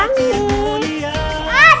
ah diam diam diam